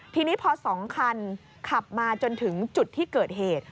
ทีนี้พอ๒คันขับมาจนถึงจุดที่เกิดเหตุ